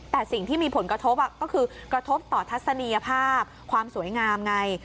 แต่สิ่งที่มีผลกระทบก็คือกระทบต่อทัศนียภาพความสวยงามไง